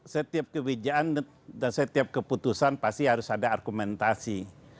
setiap kebijakan dan setiap keputusan pasti harus ada argumentasi